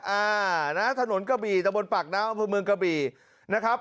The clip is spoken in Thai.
อ่านะฮะถนนกะบี่จะบนปากนะฮะบรรพมืองกะบี่นะครับ